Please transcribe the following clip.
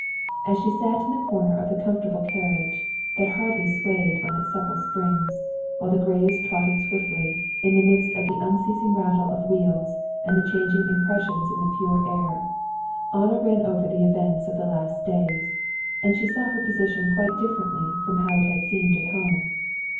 As she sat in a corner of the comfortable carriage, that hardly swayed on its supple springs, while the grays trotted swiftly, in the midst of the unceasing rattle of wheels and the changing impressions in the pure air, Anna ran over the events of the last days, and she saw her position quite differently from how it had seemed at home.